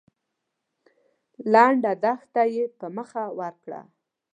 لنډه دښته يې په مخه ورکړه.